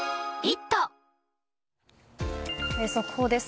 速報です。